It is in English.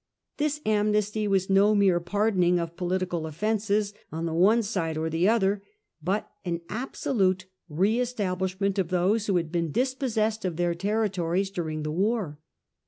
This amnesty was no mere pardoning of political offences on the one side or the other, but an absolute re establishment of those who had been dis possessed of their territories during the war.